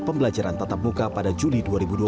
pembelajaran tatap muka pada juli dua ribu dua puluh